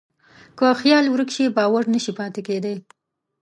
که خیال ورک شي، باور نهشي پاتې کېدی.